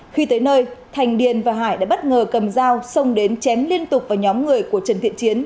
khi tới nơi thành điền và hải đã bất ngờ cầm dao xông đến chém liên tục vào nhóm người của trần thiện chiến